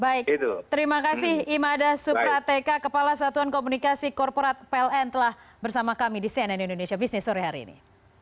baik terima kasih imada suprateka kepala satuan komunikasi korporat pln telah bersama kami di cnn indonesia business sore hari ini